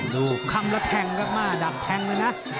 ดูคำละแทงก็มากดับแทงเลยนะ